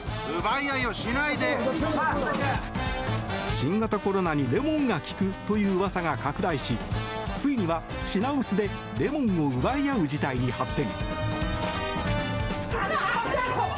新型コロナにレモンが効くといううわさが拡大しついには品薄でレモンを奪い合う事態に発展。